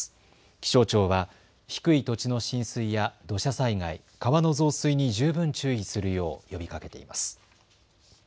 気象庁は低い土地の浸水や土砂災害、川の増水に十分注意するよう呼びかけています。